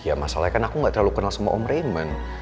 ya masalahnya kan aku gak terlalu kenal sama om rainment